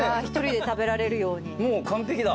もう完璧だ。